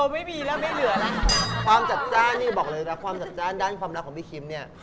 ไม่มีผัวได้ยังไง